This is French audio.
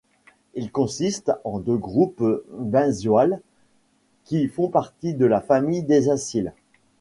Il consiste en deux groupes benzoyle qui font partie de la famille des acyles.